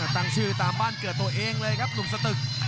ตั้งชื่อตามบ้านเกิดตัวเองเลยครับหนุ่มสตึก